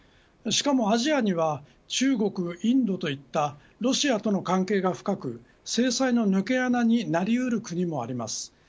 しかもアジアには中国、インドといったロシアとの関係が深く制裁の抜け穴になり得る国もあります。